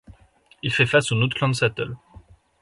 Il fait face au Notländsattel.